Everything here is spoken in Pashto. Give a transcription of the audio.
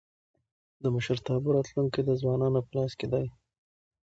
د مشرتابه راتلونکی د ځوانانو په لاس کي دی.